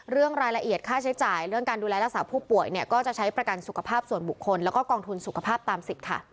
เรื่องรายละเอียดค่าใช้จ่ายเรื่องการดูแลรักษาผู้ป่วยเนี่ยก็จะใช้ประกันสุขภาพส่วนบุคคลแล้วก็กองทุนสุขภาพตามสิทธิ์ค่ะ